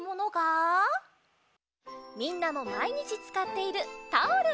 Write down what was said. みんなもまいにちつかっているタオル！